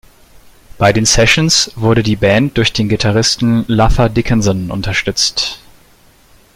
Bei den Sessions wurde die Band durch den Gitarristen Luther Dickinson unterstützt.